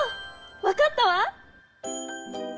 わかったわ！